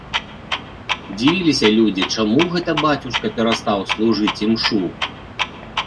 Дзівіліся людзі, чаму гэта бацюшка перастаў служыць імшу?